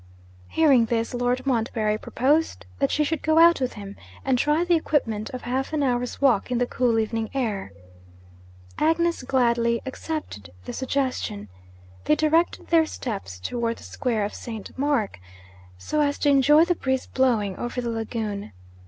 Hearing this, Lord Montbarry proposed that she should go out with him, and try the experiment of half an hour's walk in the cool evening air. Agnes gladly accepted the suggestion. They directed their steps towards the square of St. Mark, so as to enjoy the breeze blowing over the lagoon.